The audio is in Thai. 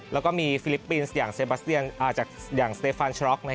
แล้วก็มีฟิลิปปินส์อย่างเซบาสเตียนอย่างสเตฟานชะล็อก